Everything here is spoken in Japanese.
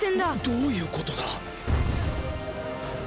どういうことだ？